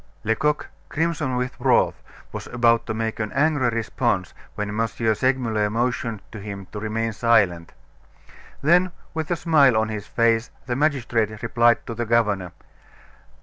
Lecoq, crimson with wrath, was about to make an angry response when M. Segmuller motioned to him to remain silent. Then with a smile on his face the magistrate replied to the governor.